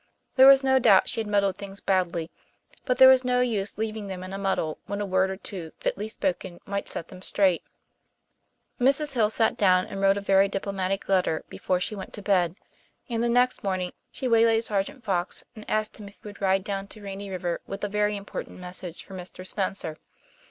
There was no doubt she had muddled things badly, but there was no use leaving them in a muddle when a word or two fitly spoken might set them straight. Mrs. Hill sat down and wrote a very diplomatic letter before she went to bed, and the next morning she waylaid Sergeant Fox and asked him if he would ride down to Rainy River with a very important message for Mr. Spencer.